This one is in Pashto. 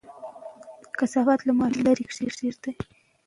کثافات له ماشوم لرې کېږدئ.